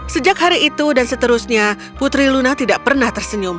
sejak hari itu dan seterusnya putri luna tidak pernah tersenyum